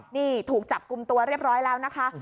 นี่ถูกจับกลุ่มตัวเรียบร้อยแล้วนะคะ